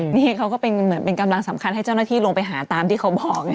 นี่เขาก็เป็นเหมือนเป็นกำลังสำคัญให้เจ้าหน้าที่ลงไปหาตามที่เขาบอกไง